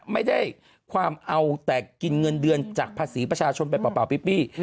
ไม่ได้ความเอาแต่กินเงินเดือนจากภาษีประชาชนไปเปล่าปี้